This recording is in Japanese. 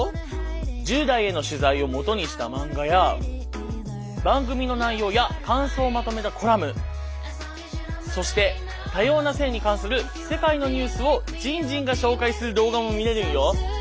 １０代への取材をもとにしたマンガや番組の内容や感想をまとめたコラムそして多様な性に関する世界のニュースをじんじんが紹介する動画も見れるんよ。